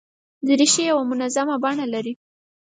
دریشي یو منظمه بڼه لري.